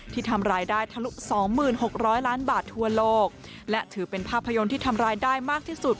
ทำรายได้ทะลุ๒๖๐๐ล้านบาททั่วโลกและถือเป็นภาพยนตร์ที่ทำรายได้มากที่สุด